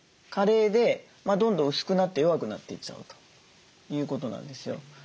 加齢でどんどん薄くなって弱くなっていっちゃうということなんですよ。